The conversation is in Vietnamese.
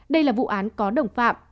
đây là vụ án có đồng phạm